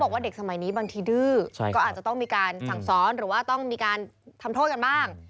ว่าต้องมีการทำโทษกันบ้าง